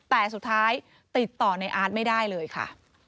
แต่สุดท้ายติดต่อในอาร์ตไม่ได้เลยค่ะ